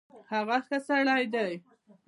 هغه ښۀ سړی ډی